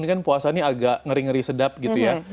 ini kan puasa ini agak ngeri ngeri sedap gitu ya